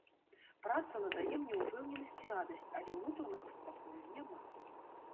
Праца надае мне упэўненасць і радасць, але ўнутранага спакою няма.